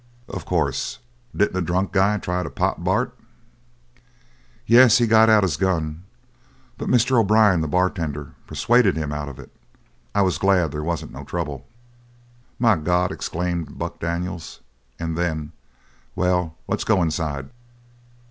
"Of course. Didn't the drunk guy try to pot Bart?" "Yes, he got out his gun; but, Mr. O'Brien, the bartender, persuaded him out of it. I was glad there wasn't no trouble." "My God!" exclaimed Buck Daniels. And then: "Well, let's go inside.